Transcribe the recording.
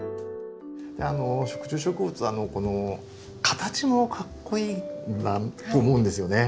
食虫植物はこの形もかっこいいなと思うんですよね。